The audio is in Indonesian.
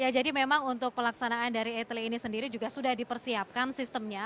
ya jadi memang untuk pelaksanaan dari eteli ini sendiri juga sudah dipersiapkan sistemnya